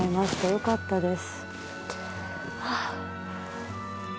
よかったです。